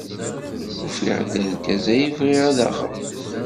Ufiɣ-d argaz ay bɣiɣ ad aɣeɣ.